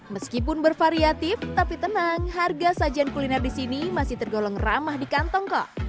meskipun bervariatif tapi tenang harga sajian kuliner di sini masih tergolong ramah di kantong kok